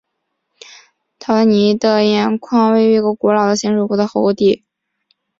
陶代尼的盐矿位于一个古老的咸水湖的湖底。